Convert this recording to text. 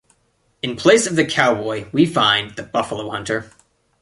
In place of the cowboy we find the buffalo-hunter.